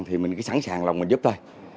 thì mình cứ sẵn sàng lòng mình giúp thôi